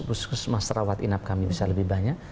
puskesmas rawat inap kami bisa lebih banyak